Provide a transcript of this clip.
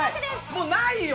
もうないよ。